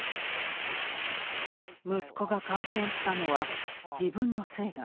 「息子が感染したのは自分のせいだ」。